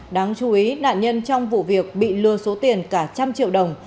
đáng chú ý nạn nhân trong vụ việc bị lừa số tiền cả một trăm linh triệu đồng